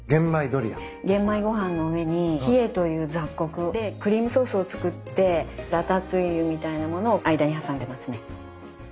玄米ご飯の上にヒエという雑穀でクリームソースを作ってラタトゥイユみたいな物を間に挟んでますね。